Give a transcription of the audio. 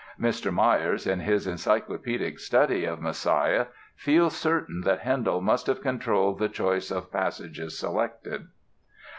Mr. Myers, in his encyclopedic study of "Messiah" feels certain that Handel must have controlled the choice of passages selected.